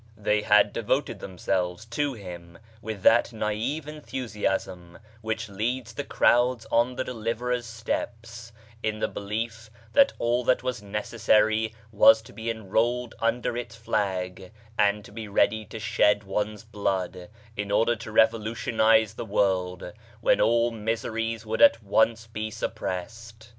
They had de voted themselves to him with that naive enthusiasm which leads the crowds on the Deliverer's steps, in the belief that all that was necessary was to be enrolled under his flag and to be ready to shed one's blood, in order to revolutionise the world, when all miseries would at once be suppressed.